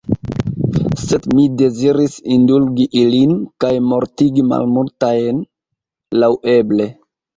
Sed mi deziris indulgi ilin, kaj mortigi malmultajn laŭeble.